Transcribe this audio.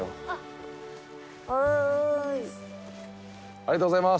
ありがとうございます。